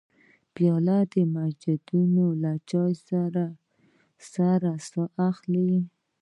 پیاله د مسجدو له چای سره ساه اخلي.